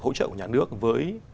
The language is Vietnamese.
hỗ trợ của nhà nước với